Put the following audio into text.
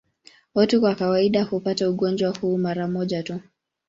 Watu kwa kawaida hupata ugonjwa huu mara moja tu.